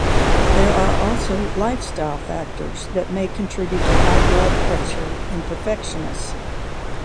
There are also lifestyle factors that may contribute to high blood pressure in perfectionists.